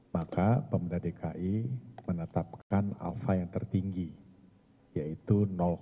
maka pemda dki menetapkan alfa yang tertinggi yaitu satu